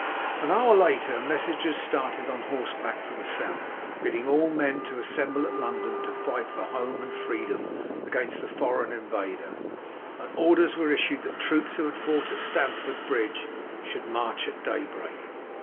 An hour later messengers started on horseback for the South, bidding all men to assemble at London to fight for home and freedom against the foreign invader, and orders were issued that the troops who had fought at Stamford Bridge should march at daybreak.